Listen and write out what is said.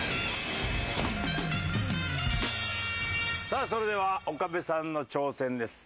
さあそれでは岡部さんの挑戦です。